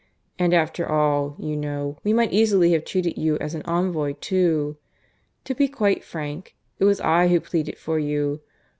And after all, you know, we might easily have treated you as an envoy, too. To be quite frank, it was I who pleaded for you.